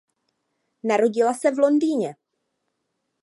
Narodila se v Londýně.